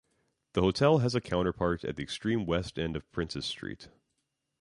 The hotel has a counterpart at the extreme west end of Princes Street.